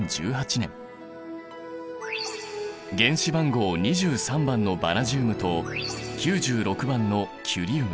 原子番号２３番のバナジウムと９６番のキュリウム。